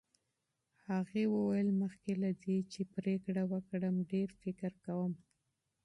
هغې وویل، مخکې له دې چې پرېکړه وکړم ډېر فکر کوم.